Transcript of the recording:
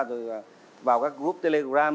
rồi vào các group telegram